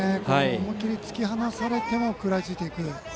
思いっきり突き放されても食らいついていく。